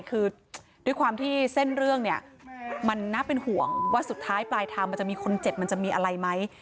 คือด้วยความที่เส้นเรื่องเนี่ยมันน่าเป็นห่วงว่าสุดท้ายปลายทางมันจะมีคนเจ็บมันจะมีอะไรไหม